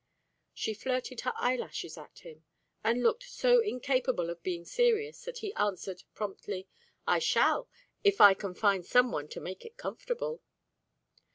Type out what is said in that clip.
She flirted her eyelashes at him, and looked so incapable of being serious that he answered, promptly, "I shall, if I can find some one to make it comfortable."